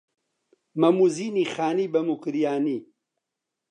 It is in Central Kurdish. مەم و زینی خانی بە موکریانی